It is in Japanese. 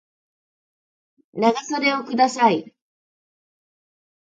長袖をください